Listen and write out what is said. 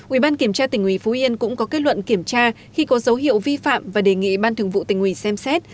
ubnd kiểm tra tỉnh uỷ phú yên cũng có kết luận kiểm tra khi có dấu hiệu vi phạm và đề nghị ban thường vụ tỉnh uỷ xem xét